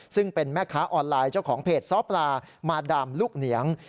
ซึ่งเป็นแม่ค้าออนไลน์เจ้าของเพจซ้อปลามาดามลูกเหนียง